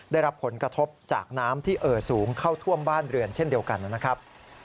ได้รับผลกระทบจากน้ำที่เอ่อสูงเข้าท่วมบ้านเรือนเช่นเดียวกันนะครับ